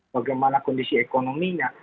bagaimana kondisi ekonominya